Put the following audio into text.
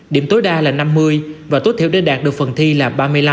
điểm tối đa là năm mươi và tối thiểu để đạt được phần thi là ba mươi năm